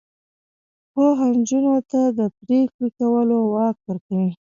پوهه نجونو ته د پریکړې کولو واک ورکوي.